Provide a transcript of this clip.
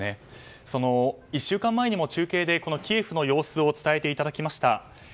１週間前にも中継でキエフの様子を伝えていただきました。